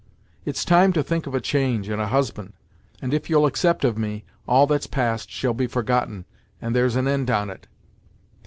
It's time to think of a change and a husband, and, if you'll accept of me, all that's past shall be forgotten, and there's an end on't."